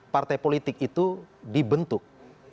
partai politik itu dibentuk